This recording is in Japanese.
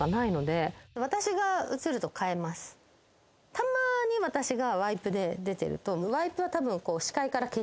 たまに私がワイプで出てると。